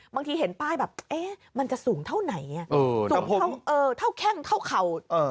บางทีแบบมันจะสูงเท่าไหนแค่เท่าเข่า